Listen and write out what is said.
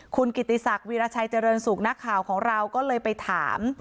คุณกิติศักดิราชัยเจริญสุขนักข่าวของเราก็เลยไปถาม